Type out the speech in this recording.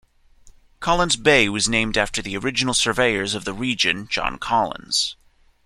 Collins Bay was named after the original surveyor of the region, John Collins.